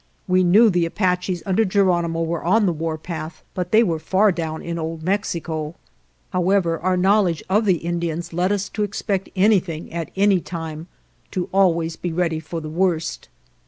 We knew the Apaches under Geronimo were on the warpath, but they were far down in Old Mexico. However, our knowledge of the 167 GERONIMO Indians led us to expect anything at any time — to always be ready for the worst.